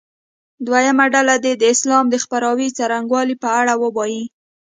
دویمه ډله دې د اسلام د خپراوي څرنګوالي په اړه ووایي.